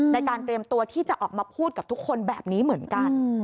ในการเตรียมตัวที่จะออกมาพูดกับทุกคนแบบนี้เหมือนกัน